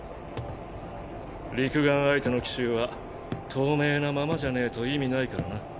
六眼相手の奇襲は透明なままじゃねぇと意味ないからな。